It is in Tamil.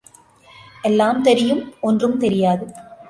எல்லாம் தெரியும் ஒன்றும் தெரியாது.